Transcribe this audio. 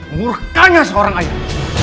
ngurkanya seorang ayah